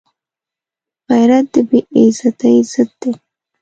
غیرت د بې عزتۍ ضد دی